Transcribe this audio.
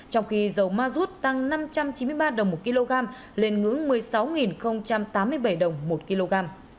trong khi dầu ma rút tăng năm trăm chín mươi ba đồng một kg lên ngưỡng một mươi sáu tám mươi bảy đồng một kg